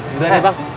duluan ya bang